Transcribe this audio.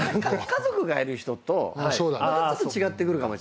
家族がいる人とまたちょっと違ってくるかもしんない。